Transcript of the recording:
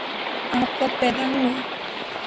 آپ کب پیدا ہوئے